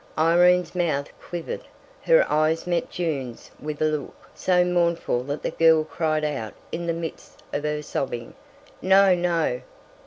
Irene's mouth quivered; her eyes met Jun's with a look so mournful that the girl cried out in the midst of her sobbing, "No, no!"